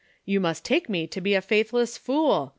You must take me to be a faithless fool.